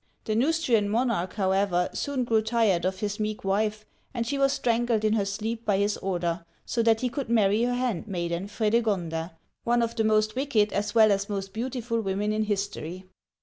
The Neustrian monarch, however, soon grew tired of his meek wife, and she was strangled in her sleep by his order, so that he could marry her handmaiden, Fredegonda, one of the most wicked as well as fnost beautiful women in history.